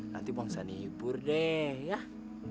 nanti bangsa nihibur deh